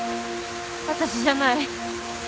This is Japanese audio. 私じゃない。